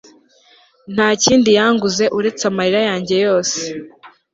nta kindi yanguze uretse amarira yanjye yose